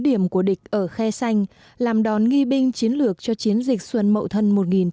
điểm của địch ở khe xanh làm đòn nghi binh chiến lược cho chiến dịch xuân mậu thân một nghìn chín trăm bảy mươi